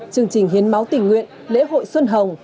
chương trình hiến máu tình nguyện lễ hội xuân hồng